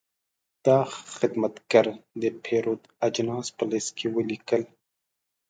دا خدمتګر د پیرود اجناس په لېست کې ولیکل.